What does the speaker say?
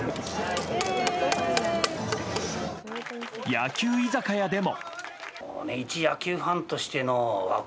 野球居酒屋でも。